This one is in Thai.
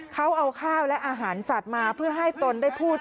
เขาเอาข้าวและอาหารสัตว์มาเพื่อให้ตนได้พูด